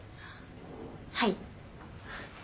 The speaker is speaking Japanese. はい。